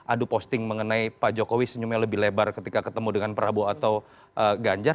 adu posting mengenai pak jokowi senyumnya lebih lebar ketika ketemu dengan prabowo atau ganjar